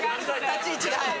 立ち位置がはい。